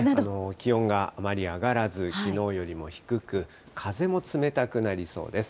気温があまり上がらず、きのうよりも低く、風も冷たくなりそうです。